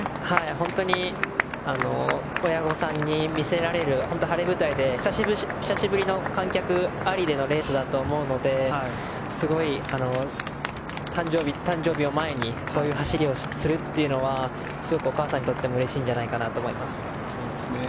本当に親御さんに見せられる本当に晴れ舞台で、久しぶりの観客ありでのレースだと思うので誕生日を前にこういう走りをするというのはすごくお母さんにとってもうれしいんじゃないかと思います。